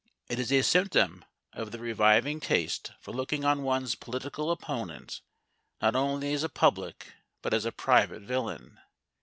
It is a symptom of the reviving taste for looking on one's political opponent not only as a public, but as a private, villain.